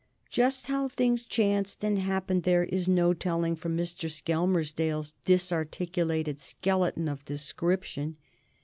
Just how things chanced and happened there is no telling from Mr. Skelmersdale's disarticulated skeleton of description.